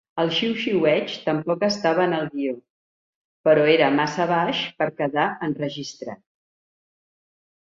El xiuxiueig tampoc estava en el guio, però era massa baix per quedar enregistrat.